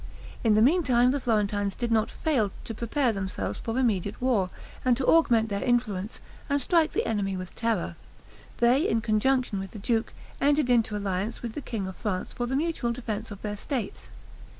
In the meantime, the Florentines did not fail to prepare themselves for immediate war; and to augment their influence, and strike the enemy with terror, they, in conjunction with the duke, entered into alliance with the king of France for the mutual defense of their states.